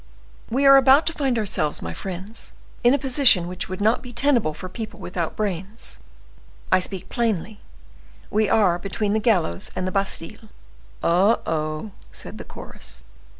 "We are about to find ourselves, my friends, in a position which would not be tenable for people without brains. I speak plainly; we are between the gallows and the Bastile." "Oh! Oh!" said the chorus.